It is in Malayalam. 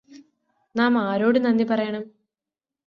നാം ആരോട് നന്ദി പറയണം